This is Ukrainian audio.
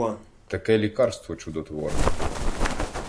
Таке лікарство чудотворне